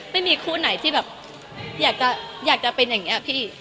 ไม่มีคู่ไหนที่แบบอยากจะเป็นอย่างนี้พี่